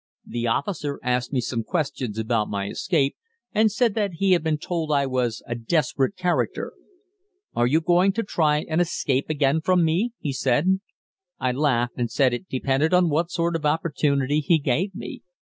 The officer asked me some questions about my escape, and said that he had been told I was a desperate character. "Are you going to try to escape again from me?" he said. I laughed, and said it depended on what sort of opportunity he gave me.